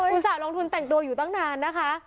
ต่าลงทุนแต่งตัวอยู่ตั้งนานนะคะ